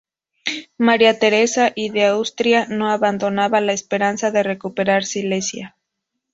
María Teresa I de Austria no abandonaba la esperanza de recuperar Silesia.